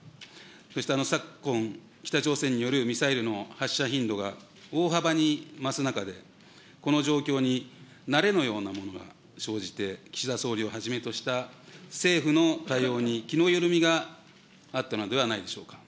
そして昨今、北朝鮮によるミサイルの発射頻度が大幅に増す中で、この状況に慣れのようなものが生じて、岸田総理をはじめとした政府の対応に気の緩みがあったのではないでしょうか。